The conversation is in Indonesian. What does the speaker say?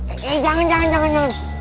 eh jangan jangan jangan